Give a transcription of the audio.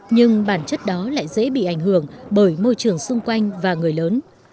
nhưng bản chất đó lại dễ bị ảnh hưởng bởi môi trường xung quanh và người lớn